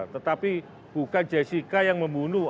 tetapi bukan jessica yang membunuh